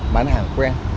bán hàng quen